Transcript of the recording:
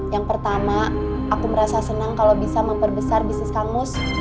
yang pertama aku merasa senang kalau bisa memperbesar bisnis kamus